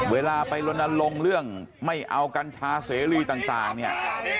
เวลาไปลนลงเรื่องไม่เอากัญชาเสรีต่างเนี่ย